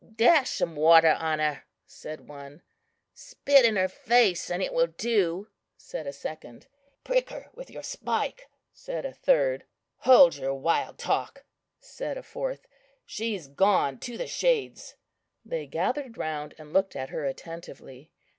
"Dash some water on her," said one. "Spit in her face, and it will do," said a second. "Prick her with your spike," said a third. "Hold your wild talk," said a fourth; "she's gone to the shades." They gathered round, and looked at her attentively.